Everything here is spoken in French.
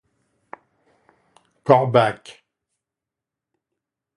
Corbacque!